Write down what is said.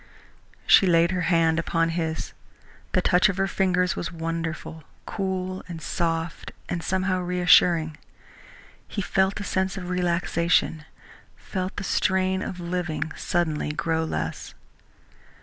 She laid her hand upon his. The touch of her fingers was wonderful, cool and soft and somehow reassuring. He felt a sense of relaxation, felt the strain of living suddenly grow less.